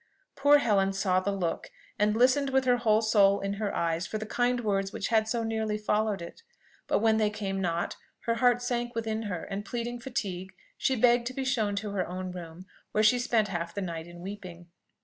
Poor Helen saw the look, and listened with her whole soul in her eyes for the kind words which had so nearly followed it; but when they came not, her heart sank within her, and pleading fatigue, she begged to be shown to her own room, where she spent half the night in weeping.